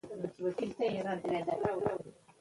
په قران کي د هغه چا بدي بيان شوي چې ناشکري کوي